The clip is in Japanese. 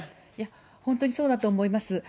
本当にそうだと思います。